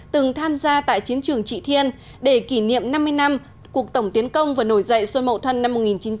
từng tham gia tại chiến trường trị thiên để kỷ niệm năm mươi năm cuộc tổng tiến công và nổi dậy xuân mậu thân năm một nghìn chín trăm bảy mươi